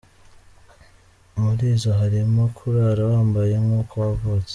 Muri zo harimo kurara wambaye nk’uko wavutse.